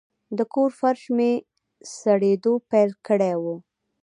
د کور فرش مې سړېدو پیل کړی و.